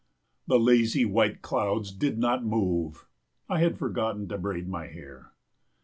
The lazy white clouds did not move. I had forgotten to braid my hair.